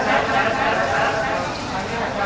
สวัสดีครับทุกคน